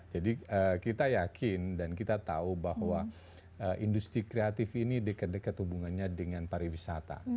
jadi kita yakin dan kita tahu bahwa industri kreatif ini dekat dekat hubungannya dengan pariwisata